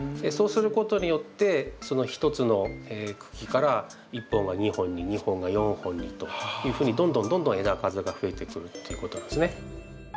そうすることによってその１つの茎から１本が２本に２本が４本にというふうにどんどんどんどん枝数が増えてくるっていうことなんですね。